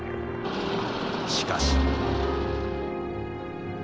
しかし。